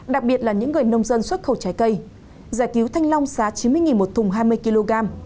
đặc biệt là những người nông dân xuất khẩu trái cây giải cứu thanh long giá chín mươi một thùng hai mươi kg